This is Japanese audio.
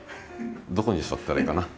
どこに座ったらいいかな。